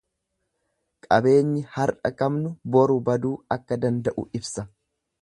Qabeenyi har'a qabnu boru baduu akka danda'u ibsa.